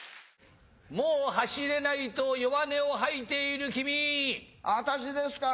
もう走れないと弱音を吐いて私ですか？